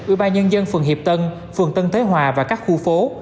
ủy ban nhân dân phường hiệp tân phường tân thế hòa và các khu phố